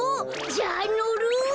じゃあのる。